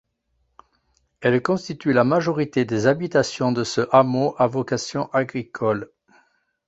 Elles constituent la majorité des habitations de ce hameau à vocation agricole.